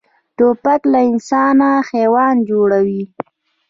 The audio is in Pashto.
توپک له انسان حیوان جوړوي.